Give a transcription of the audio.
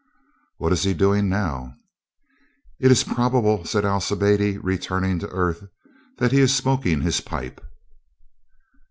"What is he doing now?" "It is probable," said Alcibiade, returning to earth, "that he is smoking his pipe."